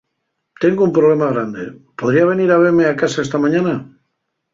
Tengo un problema grande, ¿podría venir a veme a casa esta mañana?